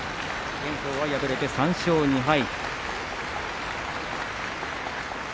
炎鵬は敗れて３勝２敗。